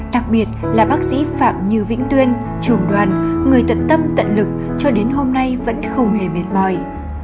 đặc biệt là bác sĩ phạm như vĩnh tuyên trường đoàn người tận tâm tận lực cho đến hôm nay vẫn không hề mệt mỏi